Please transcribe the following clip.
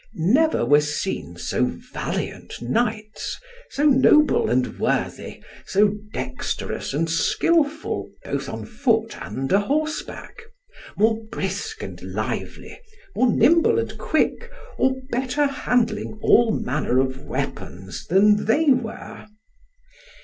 Never were seen so valiant knights, so noble and worthy, so dexterous and skilful both on foot and a horse back, more brisk and lively, more nimble and quick, or better handling all manner of weapons than were there.